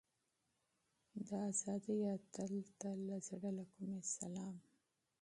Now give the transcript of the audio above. د ازادۍ اتل ته د زړه له کومې سلام.